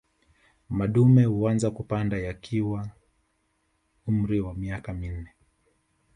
Madume huanza kupanda yakiwa na umri wa miaka minne